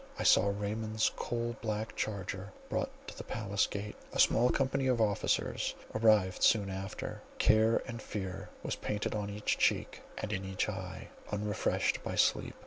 I saw Raymond's coal black charger brought to the palace gate; a small company of officers arrived soon after; care and fear was painted on each cheek, and in each eye, unrefreshed by sleep.